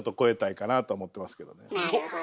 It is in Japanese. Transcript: なるほど。